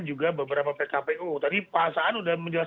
ya semoga apa yang disampaikan pak saan semua terwujud ya